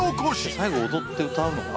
最後踊って歌うのかな。